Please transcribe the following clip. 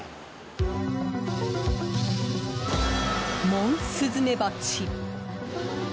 モンスズメバチ。